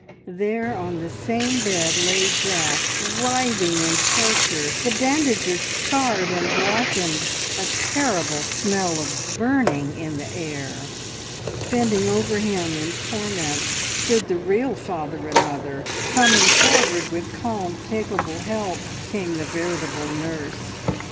There on the same bed lay Jack, writhing in torture, the bandages charred and blackened, a terrible smell of burning in the air. Bending over him in torment stood the real father and mother; coming forward with calm, capable help came the veritable nurse.